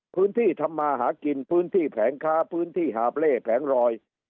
ทำมาหากินพื้นที่แผงค้าพื้นที่หาบเล่แผงรอย